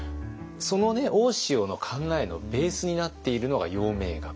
大塩の考えのベースになっているのが陽明学。